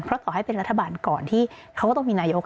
เพราะต่อให้เป็นรัฐบาลก่อนที่เขาก็ต้องมีนายก